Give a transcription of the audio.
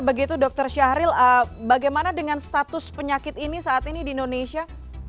begitu dokter syahril bagaimana dengan status penyakit ini saat ini di indonesia